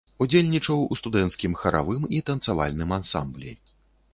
Удзельнічаў у студэнцкім харавым і танцавальным ансамблі.